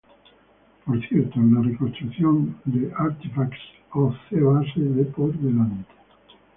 Por cierto, la "reconstrucción of "artifacts"of c-base de por delante.